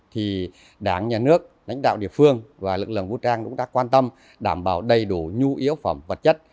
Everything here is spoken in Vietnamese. thì đảng nhà nước lãnh đạo địa phương và lực lượng vũ trang cũng đã quan tâm đảm bảo đầy đủ nhu yếu phẩm vật chất